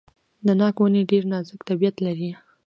د ناک ونې ډیر نازک طبیعت لري.